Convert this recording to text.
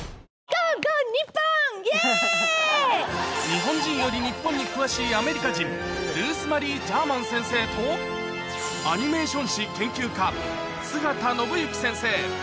日本人より日本に詳しいアメリカ人、ルース・マリー・ジャーマン先生と、アニメーション史研究家、津堅信之先生。